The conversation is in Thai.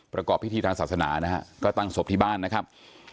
ประกอบพิธีทางศาสนานะฮะก็ตั้งศพที่บ้านนะครับ